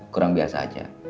kurang biasa aja